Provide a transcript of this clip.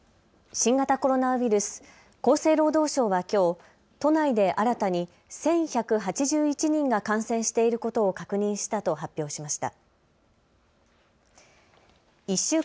新型コロナウイルス、厚生労働省はきょう都内で新たに１１８１人が感染していることを確認したと発表しました。